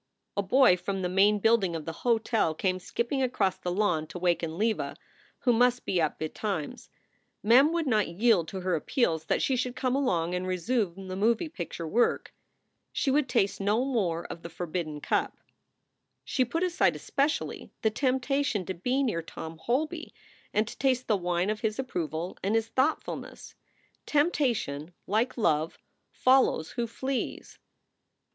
A boy from the main building of the hotel came skipping across the lawn to waken Leva, who must be up betimes. Mem would not yield to her appeals that she should come along and resume the moving picture work. She would taste no more of the forbidden cup. She put aside especially the temptation to be near Tom Holby and to taste the wine of his approval and his thought fulness. Temptation, like love, follows who flees.